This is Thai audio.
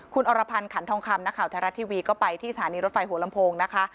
คุณอรพันธ์ขันทองคำนักข่าวไทยรัฐทีวีก็ไปที่สถานีรถไฟหัวลำโพงนะคะ